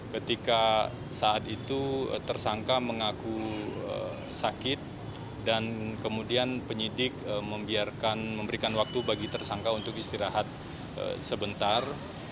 ketika saat itu tersangka mengaku sakit dan kemudian penyidik memberikan waktu bagi tersangka untuk istirahat sebentar